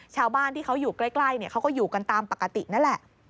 ชาวบ้านที่เขาอยู่ใกล้เขาก็อยู่กันตามปกตินั่นแหละ